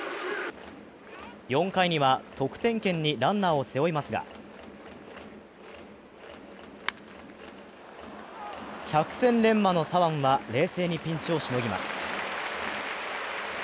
４回には得点圏にランナーを背負いますが百戦錬磨の左腕は冷静にピンチをしのぎます。